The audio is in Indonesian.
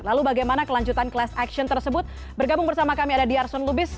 lalu bagaimana kelanjutan class action tersebut bergabung bersama kami ada ⁇ yarson lubis